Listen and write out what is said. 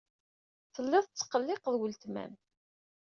Telliḍ tettqelliqeḍ weltma-m.